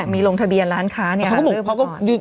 มีลงทะเบียนล้านค้าเริ่มก่อน